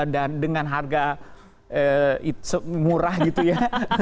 dan dengan harga murah gitu ya